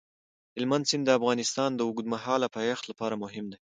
هلمند سیند د افغانستان د اوږدمهاله پایښت لپاره مهم دی.